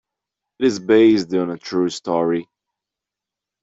It's based on a true story.